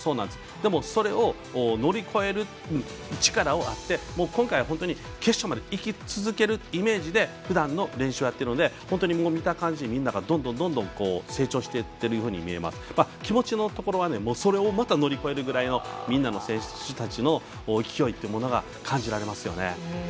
でも、それを乗り越える力があって今回は本当に決勝まで行き続けるイメージでふだんの練習をやってるので見た感じ、みんながどんどん成長していっているように見えます、気持ちのところはそれをまた乗り越えるぐらいの選手たちの気合いというものが感じられますよね。